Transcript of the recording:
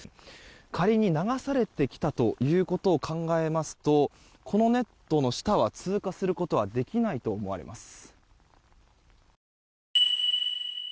仮に流されてきたということを考えますとこのネットの下は通過することはできないと思われます。